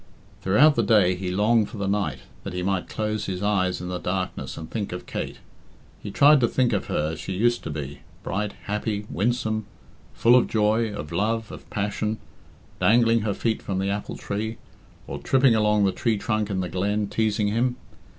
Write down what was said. Throughout the day he longed for the night, that he might close his eyes in the darkness and think of Kate. He tried to think of her as she used to be bright, happy, winsome, full of joy, of love, of passion, dangling her feet from the apple tree, or tripping along the tree trunk in the glen, teasing him?